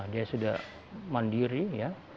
dia sudah mandiri ya